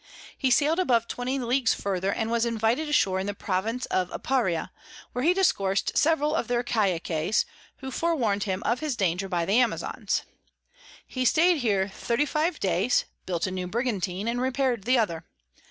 He sail'd above 200 Leagues further, and was invited ashore in the Province of Aparia, where he discours'd several of their Caciques, who forewarn'd him of his Danger by the Amazons. He staid here 35 days, built a new Brigantine, and repair'd the other.